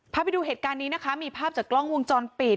พาไปดูเหตุการณ์นี้นะคะมีภาพจากกล้องวงจรปิด